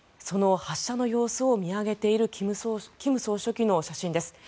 その発射の様子を見上げている金総書記の写真です。